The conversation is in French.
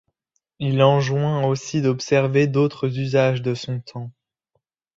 Il enjoint aussi d’observer d’autres usages de son temps.